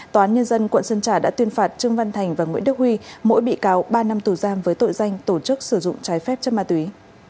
tòa án nhân dân quận sơn trà đã tuyên phạt trương văn thành và nguyễn đức huy mỗi bị cáo ba năm tù giam với tội danh tổ chức sử dụng trái phép chất ma túy